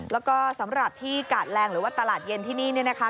แล้วก็สำหรับที่กาดแรงหรือว่าตลาดเย็นที่นี่นะคะ